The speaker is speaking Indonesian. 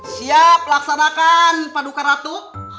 siap laksanakan paduka ratu